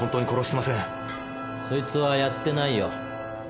・そいつはやってないよ。